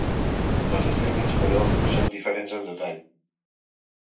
Les estrelles, però, són diferents en detall.